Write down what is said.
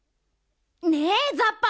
ねえザッパ！